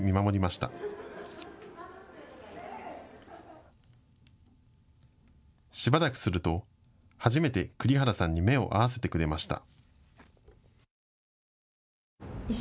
しばらくすると初めて栗原さんに目を合わせてくれました。